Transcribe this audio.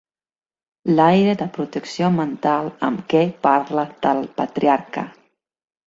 L'aire de protecció mental amb què parla del Patriarca